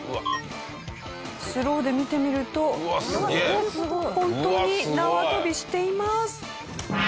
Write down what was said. スローで見てみると本当に縄跳びしています。